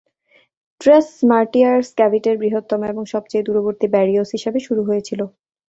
Trace Martires ক্যাভিটের বৃহত্তম এবং সবচেয়ে দূরবর্তী ব্যারিওস হিসাবে শুরু হয়েছিল।